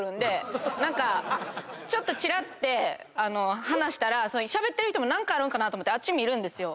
ちょっとチラッて離したらしゃべってる人も何かあるんかなと思ってあっち見るんですよ。